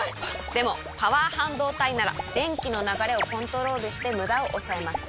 でもパワー半導体なら電気の流れをコントロールしてムダを抑えます。